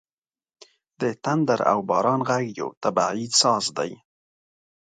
• د تندر او باران ږغ یو طبیعي ساز دی.